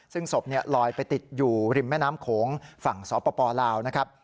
ซึ่งศพลอยไปติดอยู่ริมแม่น้ำโขงฝั่งสปลาวนะครับ